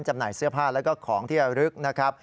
จำหน่ายเสื้อผ้าแล้วก็ของที่ระลึกนะครับ